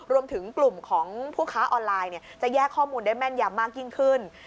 รวมถึงกลุ่มของผู้ค้าออนไลน์จะแยกข้อมูลได้แม่นยำมากยิ่งขึ้น